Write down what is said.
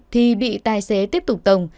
thì bị tài xế tiếp tục tồng